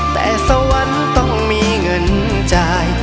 แต่สวรรค์ต้องมีเงินจ่าย